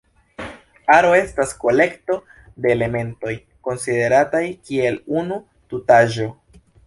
Aro estas kolekto de elementoj konsiderataj kiel unu tutaĵo.